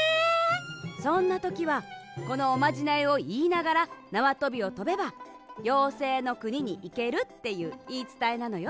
そんなときはこのおまじないをいいながらなわとびをとべばようせいのくににいけるっていういいつたえなのよ。